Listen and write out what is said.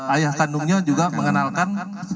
ayah kandungnya juga mengenalkan